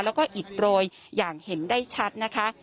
แล้วก็อิดโรยอย่างเห็นได้ชัดนะคะ